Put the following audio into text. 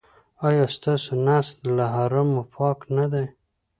ایا ستاسو نس له حرامو پاک نه دی؟